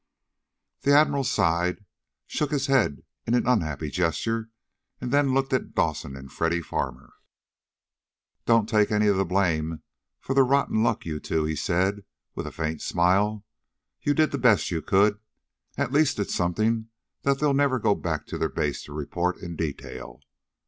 The Admiral sighed, shook his head in an unhappy gesture, and then looked at Dawson and Freddy Farmer. "Don't take any of the blame for the rotten luck, you two," he said with a faint smile. "You did the best you could. At least it's something that they'll never go back to their base to report in detail.